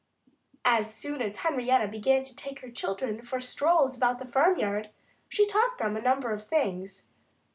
Just as soon as Henrietta began to take her children for strolls about the farmyard she taught them a number of things.